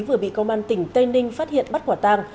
vừa bị công an tỉnh tây ninh phát hiện bắt quả tang